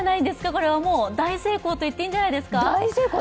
これは大成功と言ってもいいんじゃないですか。